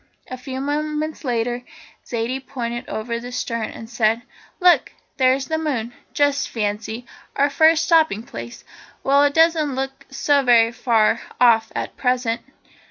A few moments later Zaidie pointed over the stern and said: "Look, there's the moon! Just fancy our first stopping place! Well, it doesn't look so very far off at present."